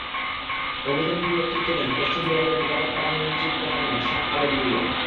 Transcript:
অভিযানের নেতৃত্ব দেন পশ্চিম রেলওয়ের নিরাপত্তা বাহিনীর চিফ কমান্ড্যান্ট শাহ আলম ভুইয়া।